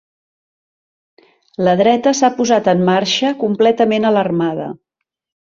La dreta s’ha posat en marxa completament alarmada.